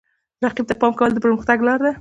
رقیب ته پام کول د پرمختګ لاره ده.